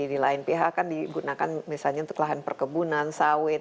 di lain pihak kan digunakan misalnya untuk lahan perkebunan sawit